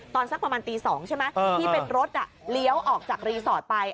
สักประมาณตี๒ใช่ไหมที่เป็นรถเลี้ยวออกจากรีสอร์ทไป